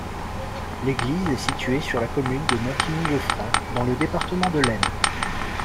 L'église est située sur la commune de Montigny-le-Franc, dans le département de l'Aisne.